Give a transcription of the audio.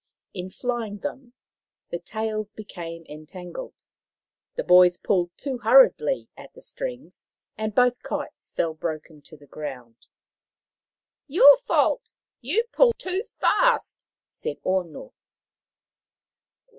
In flying them the tails became entangled. The boys pulled too hurriedly at the strings, and both kites fell broken to the ground. " Your fault ! You pulled too fast," said Ono.